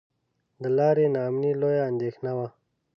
د لارې نا امني لویه اندېښنه وه.